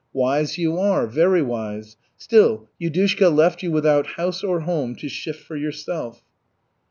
Wise you are, very wise, still Yudushka left you without house or home, to shift for yourself."